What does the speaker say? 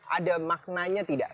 ada maknanya tidak